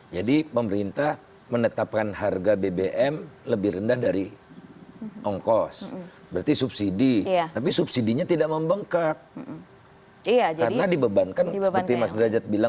jadi pemerintah memilih tidak menaikkan